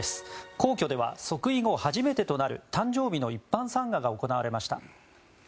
皇居では即位後初めてとなる誕生日の一般参賀が行われました。